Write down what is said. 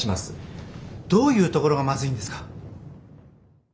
どういうところがまずいんですか。